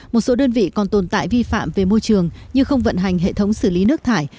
một số đơn vị còn tồn tại vi phạm về môi trường như không vận hành hệ thống xử lý nước thải